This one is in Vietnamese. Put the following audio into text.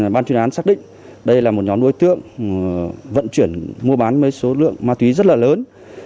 ban chuyên án xác định đây là một nhóm đối tượng vận chuyển mua bán với số lượng ma túy rất là lớn